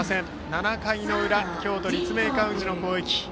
７回の裏京都の立命館宇治の攻撃。